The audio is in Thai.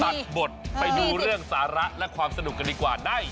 ตัดบทไปดูเรื่องสาระและความสนุกกันดีกว่าใน